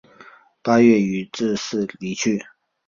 八月予致仕离去。